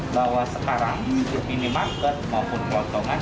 bahwa sekarang di iklan minimarket maupun pelotongan